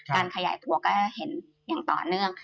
การขยายตัวก็เห็นอย่างต่อเนื่อง